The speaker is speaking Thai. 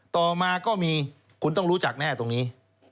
ต่อมาก็มีคุณต้องรู้จักแน่ตรงนี้